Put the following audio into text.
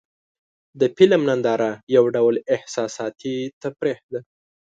د فلم ننداره یو ډول احساساتي تفریح ده.